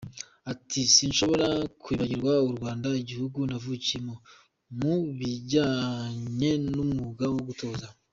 Ati "Sinshobora kwibagirwa u Rwanda, igihugu navukiyemo mu bijyanye n’umwuga wo gutoza.